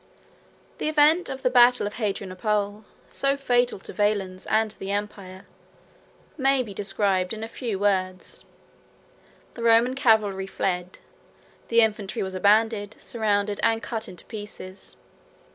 The event of the battle of Hadrianople, so fatal to Valens and to the empire, may be described in a few words: the Roman cavalry fled; the infantry was abandoned, surrounded, and cut in pieces.